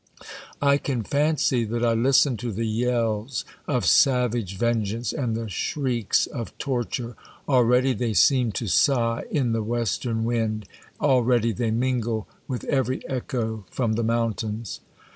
I can fancy that I listen to the yells of savage vengeance and the shrieks of torture. Al ready they seem to sigh in the western wind ; already they mingle with every echo from the mountains.